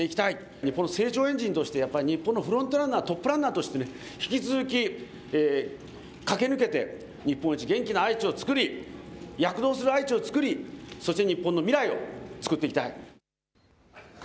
日本の成長エンジンとしてやっぱり日本のフロントランナー、トップランナーとして引き続き駆け抜けて日本一元気な愛知をつくり躍動する愛知をつくりそして日本の未来をつくっていきたい。